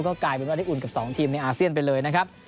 ก็กลายเป็นว่าได้อุ่นกับ๒ทีมในอาเซียนไปเลยนะครับ